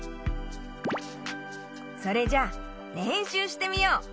それじゃれんしゅうしてみよう。